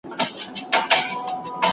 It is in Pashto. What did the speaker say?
ولې په ځینو پوهنتونونو کي ستونزي ډېري دي؟